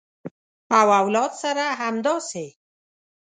او اولاد سره همداسې